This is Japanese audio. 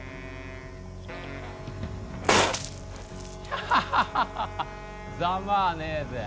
アハハハハざまあねえぜ！